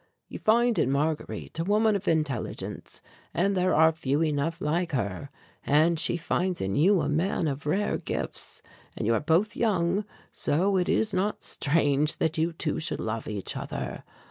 "You find in Marguerite a woman of intelligence, and there are few enough like her. And she finds in you a man of rare gifts, and you are both young, so it is not strange that you two should love each other.